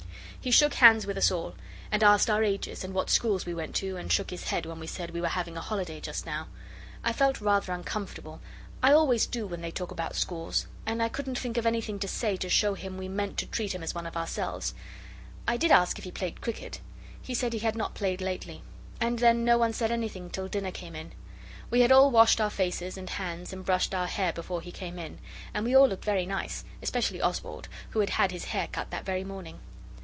He shook hands with us all and asked our ages, and what schools we went to, and shook his head when we said we were having a holiday just now. I felt rather uncomfortable I always do when they talk about schools and I couldn't think of anything to say to show him we meant to treat him as one of ourselves. I did ask if he played cricket. He said he had not played lately. And then no one said anything till dinner came in. We had all washed our faces and hands and brushed our hair before he came in, and we all looked very nice, especially Oswald, who had had his hair cut that very morning.